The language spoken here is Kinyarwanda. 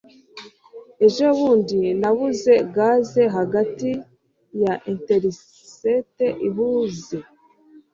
Ejobundi nabuze gaze hagati ya Interstate ihuze